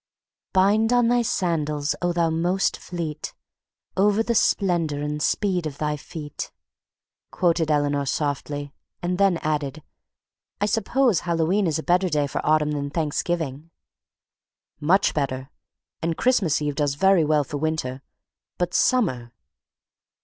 "Bind on thy sandals, oh, thou most fleet. Over the splendor and speed of thy feet—" quoted Eleanor softly, and then added: "I suppose Hallowe'en is a better day for autumn than Thanksgiving." "Much better—and Christmas eve does very well for winter, but summer..."